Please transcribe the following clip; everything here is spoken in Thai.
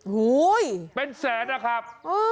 โอ้โหเป็นแสนนะครับ